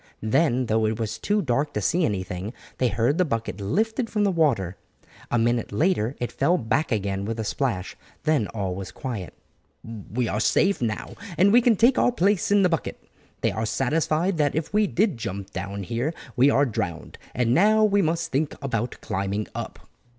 Then though it was too dark to see anything, they heard the bucket lifted from the water. A minute later it fell back again with a splash, then all was quiet. "We are safe now, and can take our place in the bucket. They are satisfied that if we did jump down here we are drowned. And now we must think about climbing up."